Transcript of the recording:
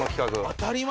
当たり前よ。